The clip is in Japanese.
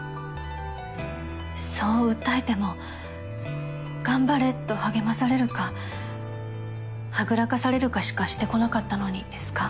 そう訴えても頑張れと励まされるかはぐらかされるかしかしてこなかったのにですか？